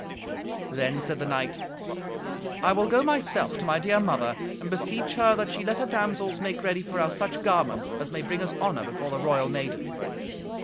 Then said the knight, "I will go, myself, to my dear mother, and beseech her that she let her damsels make ready for us such garments as may bring us honour before the royal maiden."